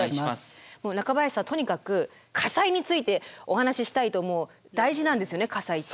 中林さんとにかく火災についてお話ししたいともう大事なんですよね火災って。